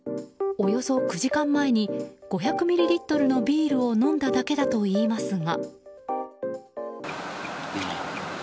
およそ９時間前に５００ミリリットルのビールを飲んだだけだといいますが。